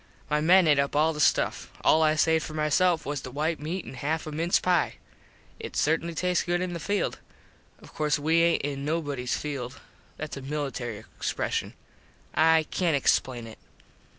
My men ate up all the stuff. All I saved for my self was the white meat an half a mince pie. It certainly tastes good in the field. Of course we aint in nobodies field. Thats a military expreshun. I cant explain it.